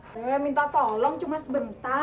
saya minta tolong cuma sebentar